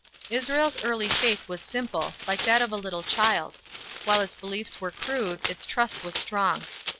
Israel's early faith was simple, like that of a little child. While its beliefs were crude, its trust was strong.